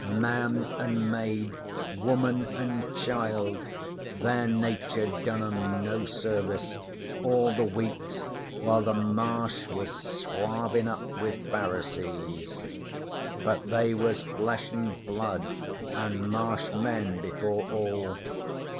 Man an' maid, woman an' child, their nature done 'em no service all the weeks while the Marsh was swarvin' up with Pharisees. But they was Flesh an' Blood, an' Marsh men before all.